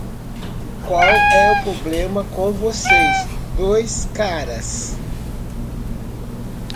Qual é o problema com vocês dois caras?